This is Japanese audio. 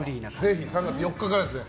ぜひ、３月４日からですね。